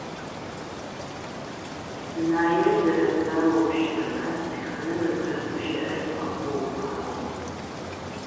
Дунаир зэрэпсаоу пштэмэ тхэным ыпэ гущыӏэр къэхъугъ аӏо.